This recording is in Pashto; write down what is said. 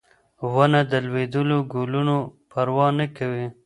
ونه د لوېدلو ګلونو پروا نه کوي.